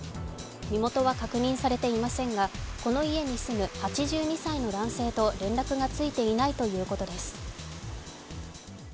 身元は確認されていませんがこの家に住む８２歳の男性と連絡がついていないということです。